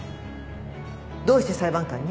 どうして裁判官に？